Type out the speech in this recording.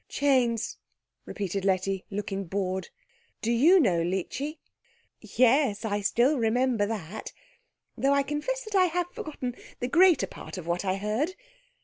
"Chains?" repeated Letty, looking bored. "Do you know, Leechy?" "Yes, I still remember that, though I confess that I have forgotten the greater part of what I heard."